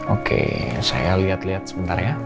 oke saya lihat lihat sebentar ya